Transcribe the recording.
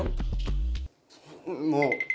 もう。